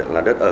là đất ở